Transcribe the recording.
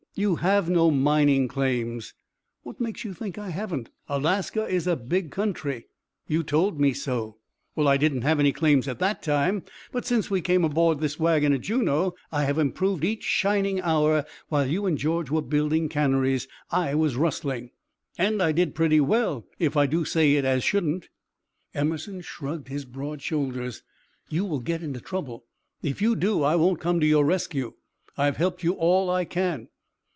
"You have no mining claims." "What makes you think I haven't? Alaska is a big country." "You told me so." "Well, I didn't have any claims at that time, but since we came aboard of this wagon at Juneau I have improved each shining hour. While you and George was building canneries I was rustling. And I did pretty well, if I do say it as shouldn't." Emerson shrugged his broad shoulders. "You will get into trouble! If you do, I won't come to your rescue. I have helped you all I can."